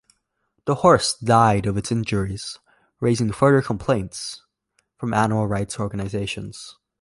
The horse died of its injuries, raising further complaints from animal-rights organizations.